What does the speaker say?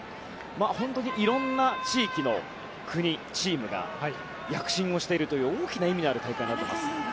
本当にいろんな地域の国チームが躍進をしているという大きな意味のある大会になっています。